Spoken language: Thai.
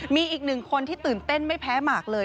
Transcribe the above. มีอีกหนึ่งคนที่ตื่นเต้นไม่แพ้หมากเลย